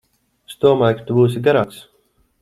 Es domāju, ka tu būsi garāks.